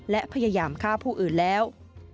และพยายามฆ่าผู้อื่นแล้ว